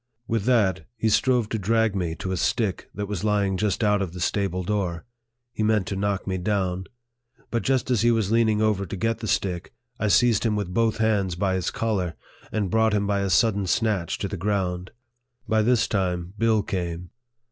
With that, he strove to drag me to a stick that was lying just out of the stable door. He meant to knock me down. But just as he was leaning over to get the stick, I seized him with both hands by his collar, and brought him by a sudden snatch to the ground. By this time, Bill came.